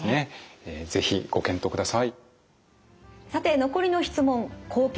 是非ご検討ください。